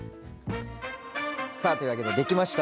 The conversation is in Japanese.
さあというわけで出来ました。